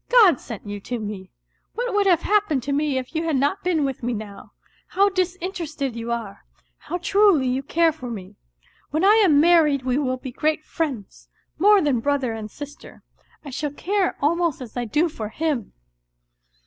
" God sent you to me. What would have hap pened to me if you had not been with me now ? How disin terested you are ! How truly you care for me ! When I am married we will be great friends, more_jjian brother and sister; I sKalTcare almost as I do for him.